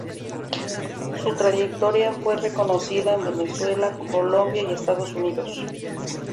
Su trayectoria fue reconocida en Venezuela, Colombia y Estados Unidos.